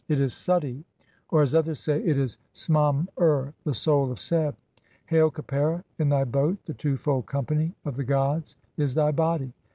It is Suti, or (as others say), It is Smam ur, (116) the soul of Seb. "Hail, Khepera in thy boat, the two fold company of the gods "is thy body!